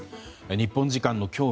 日本時間の今日